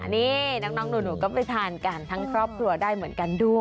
นี่น้องหนูก็ไปทานกันทั้งครอบครัวได้เหมือนกันด้วย